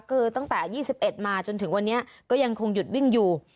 คือตั้งแต่๒๑มาจนถึงวันนี้ก็ยังคงหยุดวิ่งอยู่